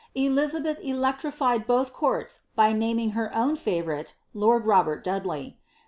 * Elizabeth electrified both courts by naming her own favourite, lord Robert Dudley.